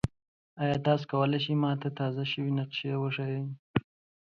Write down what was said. ایا تاسو کولی شئ ما ته تازه شوي نقشې وښایئ؟